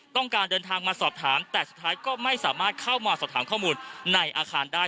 ต้องการเดินทางมาสอบถามแต่สุดท้ายก็ไม่สามารถเข้ามาสอบถามข้อมูลในอาคารได้